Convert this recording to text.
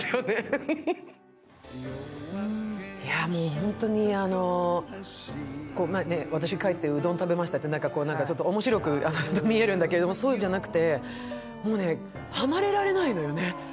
本当に私、帰ってうどん食べましたって、なんかちょっと面白く見えるんだけれども、そうじゃなくて、離れられないのよね。